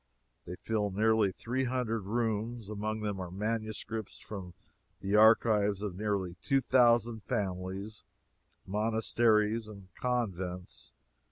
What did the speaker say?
They fill nearly three hundred rooms. Among them are manuscripts from the archives of nearly two thousand families, monasteries and convents.